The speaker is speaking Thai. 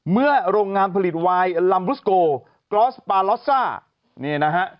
เมื่อโรงงานผลิตวายลัมบุสโกคลอสปาลอสซ่า